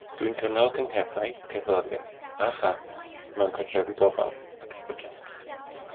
Dw i'n cynnal cyngherddau cerddoriaeth a chân mewn cartrefi gofal ac ysbytai